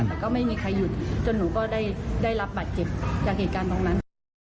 แต่ก็ไม่มีใครหยุดจนหนูก็ได้รับบัตรเจ็บจากเหตุการณ์ตรงนั้น